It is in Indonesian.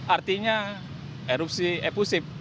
artinya erupsi epusip